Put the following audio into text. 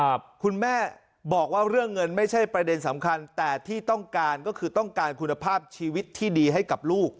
คุณแม่บอกว่าเรื่องเงินไม่ใช่ประเด็นสำคัญแต่ที่ต้องการก็คือต้องการคุณภาพชีวิตที่ดีให้กับลูก